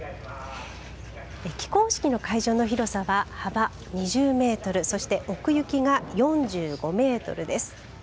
起工式の会場の広さは幅２０メートル、そして奥行きが４５メートルです。